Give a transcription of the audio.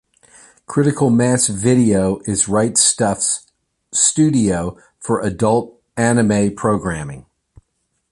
Critical Mass Video is Right Stuf's studio for adult anime programming.